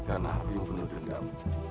karena hatimu penuh dendam